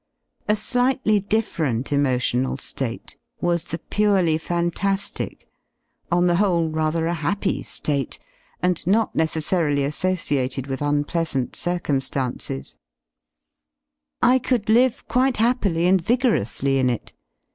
A slightly different emotional J ^'tate was the purely fanta^ic, on the whole rather a happy ^ate, and not necessarily associated with unpleasant cir cum^ances; I could live quite happily and vigorously in it.